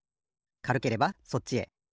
かるければそっちへ。